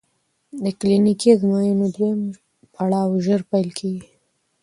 د کلینیکي ازموینو دویم پړاو ژر پیل کېږي.